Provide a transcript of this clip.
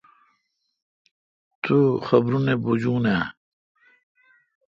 تو خبرونی بجون آں؟